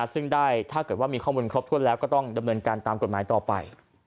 ซึ่งได้ถ้าเกิดว่ามีข้อมูลครบถ้วนแล้วก็ต้องดำเนินการตามกฎหมายต่อไป